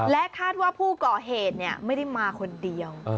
คาดว่าผู้ก่อเหตุไม่ได้มาคนเดียว